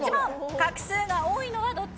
画数が多いのはどっち。